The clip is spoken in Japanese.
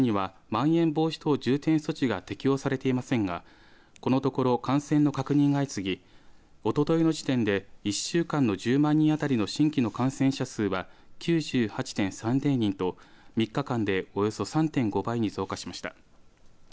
安芸高田市にはまん延防止等重点措置が適用されていませんがこのところ感染の確認が相次ぎおとといの時点で１週間の１０万人当たりの新規の感染者数は９８．３０人と３日間でおよそ３．５倍に増加しました。